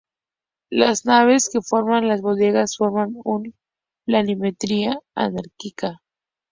Las naves que forman las bodegas forman una planimetría anárquica.